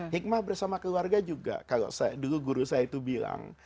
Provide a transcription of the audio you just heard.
hikmah bersama keluarga juga kalau dulu guru saya itu bilang